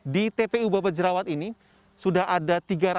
di tpu bapak jerawat ini sudah ada tiga ratus